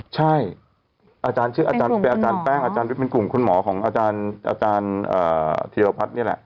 ใช่อาจารย์แป้งเป็นกลุ่มคุณหมอของอาจารย์ธีรพัฒน์นี่แหละ